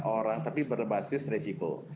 orang tapi berbasis risiko